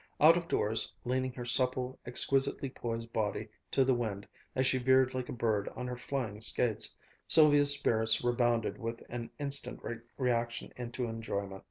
Out of doors, leaning her supple, exquisitely poised body to the wind as she veered like a bird on her flying skates, Sylvia's spirits rebounded with an instant reaction into enjoyment.